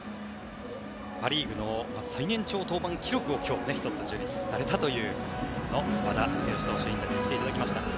パ・リーグの最年長登板記録を今日、１つ樹立されたという和田毅投手インタビューに来ていただきました。